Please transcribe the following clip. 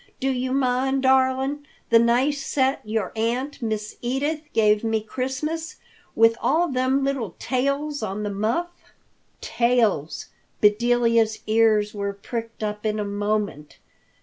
Do you mind, darlin', the nice set your aunt, Miss Edith, gave me Christmas, with all thim little tails on the muff?" Tails! Bedelia's ears were pricked up in a moment.